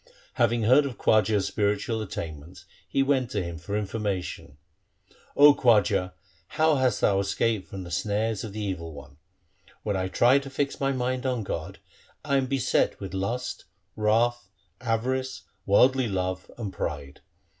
Having heard of Khwaja's spiritual attainments he went to him for information, ' O Khwaja, how hast thou escaped from the snares of the evil one ? When I try to fix my mind on God, I am beset with lust, wrath, avarice, worldly love, and pride.